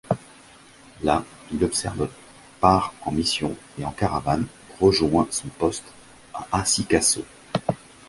Là, il observe, part en mission et en caravane, rejoint son poste à Assikasso.